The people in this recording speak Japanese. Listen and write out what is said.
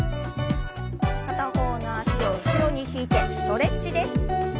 片方の脚を後ろに引いてストレッチです。